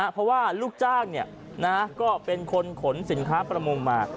เพราะว่าลูกจ้างก็เป็นคนขนสินค้าประมงมา